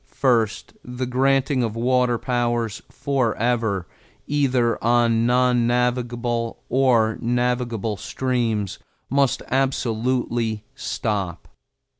First, the granting of water powers forever, either on non navigable or navigable streams, must absolutely stop.